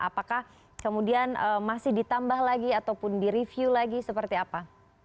apakah kemudian masih ditambah lagi ataupun direview lagi seperti apa